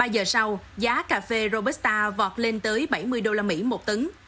ba giờ sau giá cà phê robusta vọt lên tới bảy mươi đô la mỹ một tấn